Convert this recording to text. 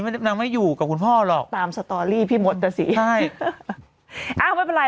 นางไม่อยู่กับคุณพ่อหรอกตามสตอรี่พี่มดน่ะสิใช่อ้าวไม่เป็นไร